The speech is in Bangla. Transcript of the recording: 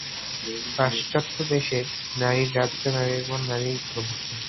পাশ্চাত্যদেশে নারীর রাজ্য, নারীর বল, নারীর প্রভুত্ব।